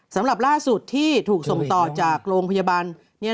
สำหรับล่าสุดที่ถูกส่งต่อจากโรงพยาบาล